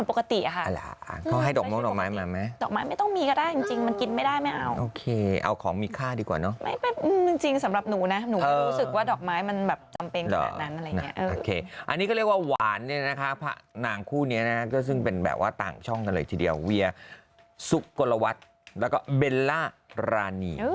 ปกติดังไม่ได้มีอะไรหวาน